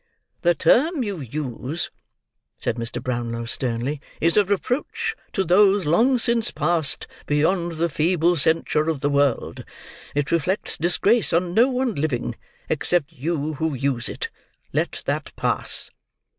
"The term you use," said Mr. Brownlow, sternly, "is a reproach to those long since passed beyond the feeble censure of the world. It reflects disgrace on no one living, except you who use it. Let that pass.